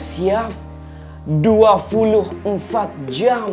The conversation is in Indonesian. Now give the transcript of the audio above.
siap dua puluh empat jam